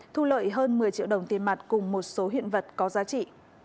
thu lợi hơn một mươi triệu đồng tiền mặt cùng một số hiện vật có giá trị